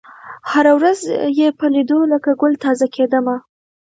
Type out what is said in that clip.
هره ورځ یې په لېدلو لکه ګل تازه کېدمه